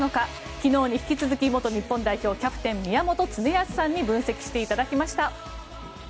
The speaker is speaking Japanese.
昨日に引き続き元日本代表キャプテン宮本恒靖さんに分析していただきました。